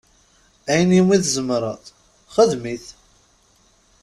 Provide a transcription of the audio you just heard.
Ayen umi tzemreḍ, xdem-it!